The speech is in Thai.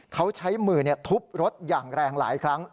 เขาใช้มือทุบรถอย่างแรงหลายครั้ง